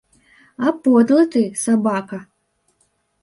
А, подлы ты, сабака!